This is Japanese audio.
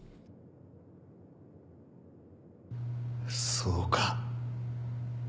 そうか。